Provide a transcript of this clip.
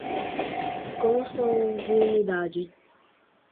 consanguinidade